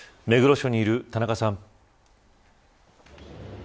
署にいる田中さん。